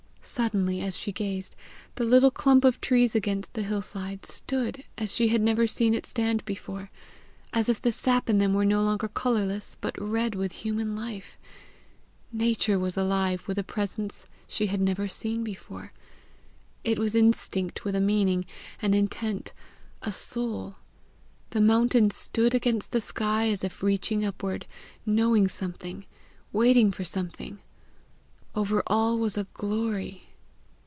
Suddenly as she gazed, the little clump of trees against the hillside stood as she had never seen it stand before as if the sap in them were no longer colourless, but red with human life; nature was alive with a presence she had never seen before; it was instinct with a meaning, an intent, a soul; the mountains stood against the sky as if reaching upward, knowing something, waiting for something; over all was a glory.